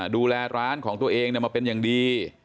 ดูแลร้านของตัวเองมาเป็นอย่างดี